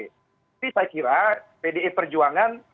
tapi saya kira pdi perjuangan